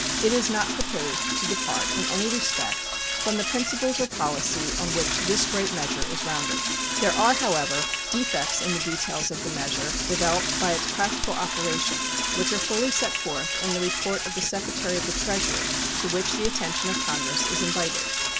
It is not proposed to depart in any respect from the principles or policy on which this great measure is rounded. There are, however, defects in the details of the measure, developed by its practical operation, which are fully set forth in the report of the Secretary of the Treasury, to which the attention of Congress is invited.